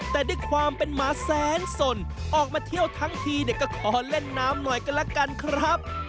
แต่ด้วยความเป็นหมาแสนสนออกมาเที่ยวทั้งทีเนี่ยก็ขอเล่นน้ำหน่อยก็แล้วกันครับ